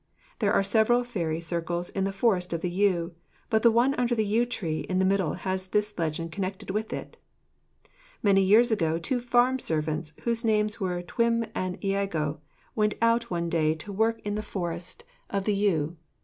There are several fairy circles in the Forest of the Yew, but the one under the yew tree in the middle has this legend connected with it: Many years ago, two farm servants, whose names were Twm and Iago, went out one day to work in the Forest of the Yew.